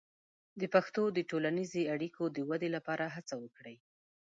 د پښتو د ټولنیزې اړیکو د ودې لپاره هڅه وکړئ.